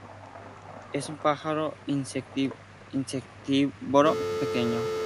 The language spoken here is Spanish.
Es un pájaro insectívoro pequeño.